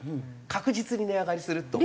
確実に値上がりすると。